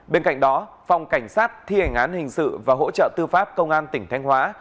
bên cạnh đó phòng cảnh sát thi hành án hình sự và hỗ trợ tư pháp công an tỉnh thanh hóa